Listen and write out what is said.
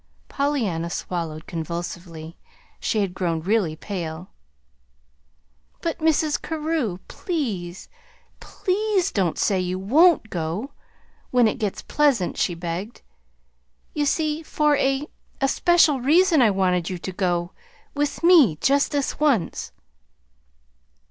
Pollyanna swallowed convulsively. She had grown really pale. "But, Mrs. Carew, please, PLEASE don't say you WON'T go, when it gets pleasant," she begged. "You see, for a a special reason I wanted you to go with me just this once."